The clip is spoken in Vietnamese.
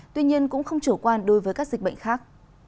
tuy nhiên cũng không chủ quan đối với các dịch bệnh khác